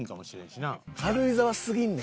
軽井沢すぎんねん